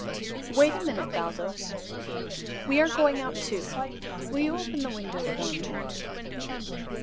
"Wait a minute, Baldos. We are going out, too. Will you open that window for me?"